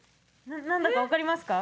何だか分かりますか？